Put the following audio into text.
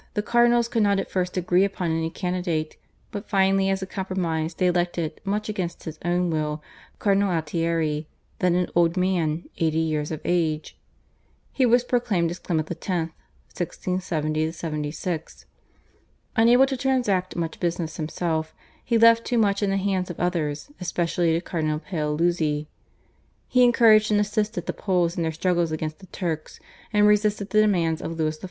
the cardinals could not at first agree upon any candidate, but finally as a compromise they elected, much against his own will, Cardinal Altieri, then an old man eighty years of age. He was proclaimed as Clement X. (1670 76). Unable to transact much business himself he left too much in the hands of others, especially to Cardinal Paoluzzi. He encouraged and assisted the Poles in their struggles against the Turks, and resisted the demands of Louis XIV.